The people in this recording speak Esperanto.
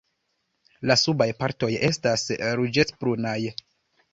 La subaj partoj estas ruĝecbrunaj.